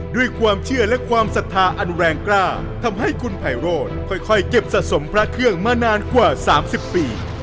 ด้วยความเชื่อและความศรัทธาอันแรงกล้าทำให้คุณไพโรธค่อยเก็บสะสมพระเครื่องมานานกว่า๓๐ปี